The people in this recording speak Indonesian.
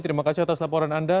terima kasih atas laporan anda